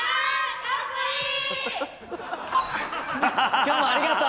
今日もありがとう。